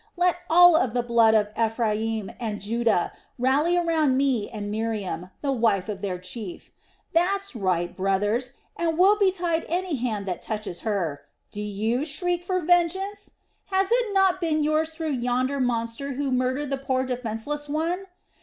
Let all of the blood of Ephraim and Judah rally around me and Miriam, the wife of their chief! That's right, brothers, and woe betide any hand that touches her. Do you shriek for vengeance? Has it not been yours through yonder monster who murdered the poor defenceless one?